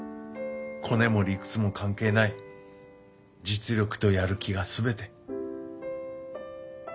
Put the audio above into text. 「コネも理屈も関係ない実力とやる気が全て」。